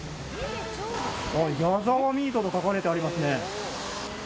ヤザワミートと書かれてありますね。